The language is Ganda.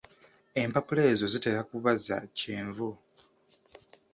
Empapula ezo zitera kuba za kyenvu.